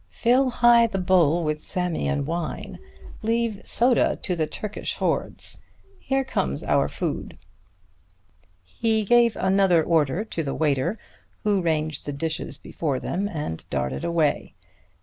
Fill high the bowl with Samian wine; leave soda to the Turkish hordes. Here comes our food." He gave another order to the waiter, who ranged the dishes before them and darted away.